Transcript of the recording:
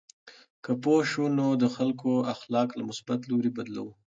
که پوه شو، نو د خلکو اخلاق له مثبت لوري بدلوو.